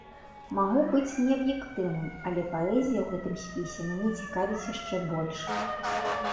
Магу быць неаб'ектыўным, але паэзія ў гэтым спісе мяне цікавіць яшчэ больш.